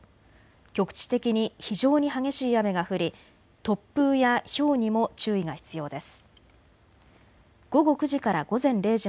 局地的に非常に激しい雨が降り突風やひょうにも注意が必要です。